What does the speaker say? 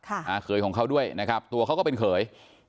อาเขยของเขาด้วยนะครับตัวเขาก็เป็นเขย